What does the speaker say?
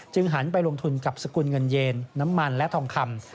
หันไปลงทุนกับสกุลเงินเยนน้ำมันและทองคำ